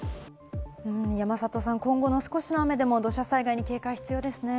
山里さん、今後の少しの雨でも土砂災害に警戒が必要ですね。